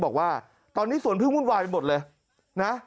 บอกว่าตอนนี้สวนพึ่งวุ่นวายหมดเลยนะ